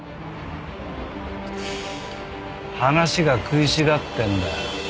話が食い違ってるんだよ。